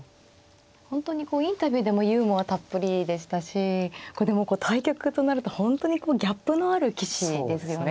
本当にこうインタビューでもユーモアたっぷりでしたしこうでも対局となると本当にギャップのある棋士ですよね。